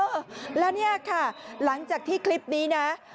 เออแล้วเนี่ยค่ะหลังจากที่คลิปนี้นะ